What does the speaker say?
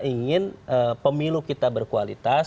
ingin pemilu kita berkualitas